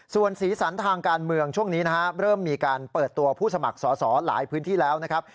ส่วนสีสันทางการเมืองช่วงนี้นะฮะเริ่มมีการเปิดตัวผู้สมัครสอสอหลายพื้นที่แล้วนะครับ